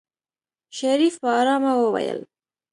شريف په آرامه وويل.